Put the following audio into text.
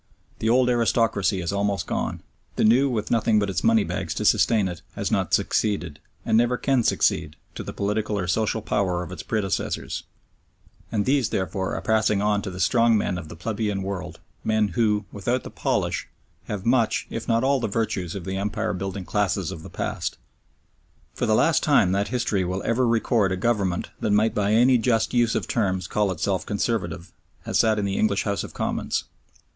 The old aristocracy is almost gone, the new with nothing but its money bags to sustain it, has not succeeded, and never can succeed, to the political or social power of its predecessors, and these, therefore, are passing on to the strong men of the plebeian world, men who, without the polish, have much, if not all the virtues of the Empire building classes of the past. For the last time that history will ever record a government that might by any just use of terms call itself "Conservative" has sat in the English House of Commons.